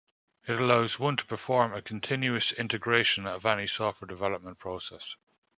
It allows one to perform a continuous integration of any software development process.